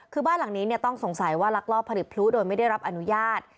คือบ้านหลังนี้ต้องสงสัยว่าลักลอบผลิตพลุโดยไม่ได้รับอนุญาต